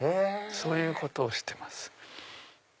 そういうことをしてます。